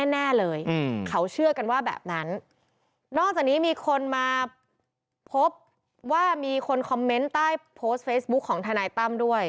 นอกจากนี้มีคนมาพบว่ามีคนคอมเม้นต์ใต้โพสต์เฟซบุ๊คของธนายตั้มด้วย